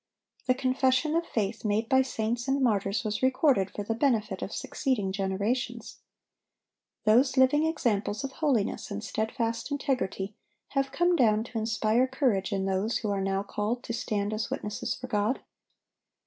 The confession of faith made by saints and martyrs was recorded for the benefit of succeeding generations. Those living examples of holiness and steadfast integrity have come down to inspire courage in those who are now called to stand as witnesses for God.